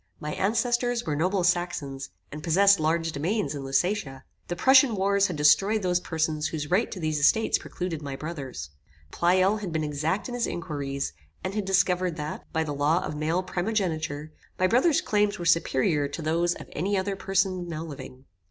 My ancestors were noble Saxons, and possessed large domains in Lusatia. The Prussian wars had destroyed those persons whose right to these estates precluded my brother's. Pleyel had been exact in his inquiries, and had discovered that, by the law of male primogeniture, my brother's claims were superior to those of any other person now living.